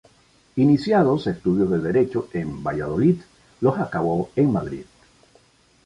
Iniciados estudios de Derecho en Valladolid, los acabó en Madrid.